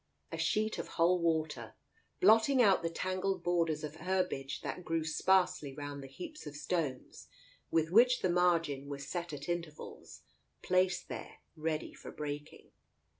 A sheet of whole water, blotting out the tangled borders of herbage that grew sparsely round the heaps of stones with which the margin was set at in tervals, placed there ready for breaking.